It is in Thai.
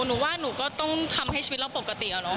หนูว่าหนูก็ต้องทำให้ชีวิตเราปกติอะเนาะ